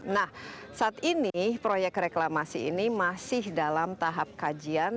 nah saat ini proyek reklamasi ini masih dalam tahap kajian